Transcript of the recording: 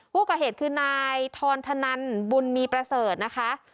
ผู้ก่อเหตุคือนายทรธนันบุญมีประเสริฐนะคะ